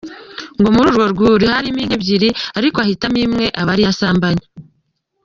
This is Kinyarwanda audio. Ngo muri urwo rwuri harimo inka ebyiri ariko ahitamo imwe aba ariyo asambanya.